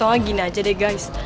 soalnya gini aja deh guys